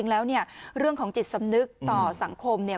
แล้วเนี่ยเรื่องของจิตสำนึกต่อสังคมเนี่ย